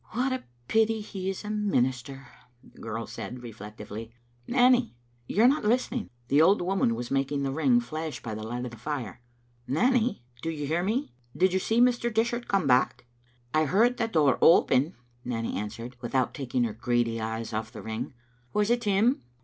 "What a pity he is a minister!" the girl said, reflec tively. " Nanny, you are not listening. " The old woman was making the ring flash by the light of the fire. '* Nanny, do you hear me? Did you see Mr. Dishart come back?" "I heard the door open," Nanny answered, without taking her greedy eyes off the ring. "Was it him?